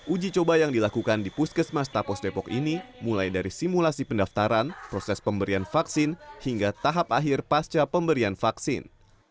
uji coba yang dilakukan di puskesmas tapos depok ini mulai dari simulasi pendaftaran proses pemberian vaksin hingga tahap akhir pasca pemberian vaksin